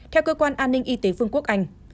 theo cơ quan an ninh y tế vương quốc anh